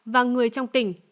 và người trong tỉnh